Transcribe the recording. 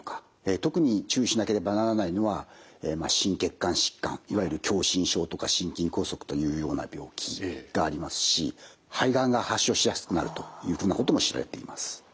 特に注意しなければならないのは心血管疾患いわゆる狭心症とか心筋梗塞というような病気がありますし肺がんが発症しやすくなるというふうなことも知られています。